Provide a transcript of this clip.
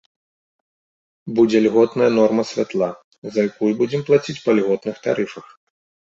Будзе льготная норма святла, за якую будзем плаціць па льготных тарыфах.